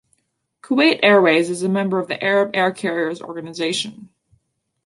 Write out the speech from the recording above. Kuwait Airways is a member of the Arab Air Carriers Organization.